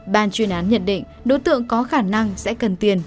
ban chuyên án nhận định đối tượng có khả năng sẽ cần tiền